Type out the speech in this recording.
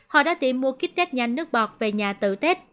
họ đã tìm mua kích tết nhanh nước bọt về nhà tự tết